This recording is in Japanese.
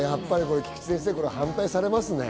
菊地先生、これ反対されますね。